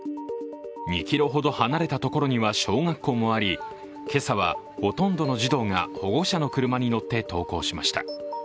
２ｋｍほど離れたところには小学校もあり今朝はほとんどの児童が保護者の車に乗って登校しました。